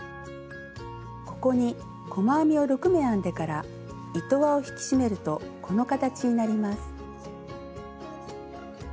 ここに細編みを６目編んでから糸輪を引き締めるとこの形になります。